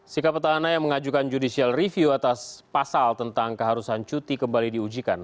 sikap petahana yang mengajukan judicial review atas pasal tentang keharusan cuti kembali diujikan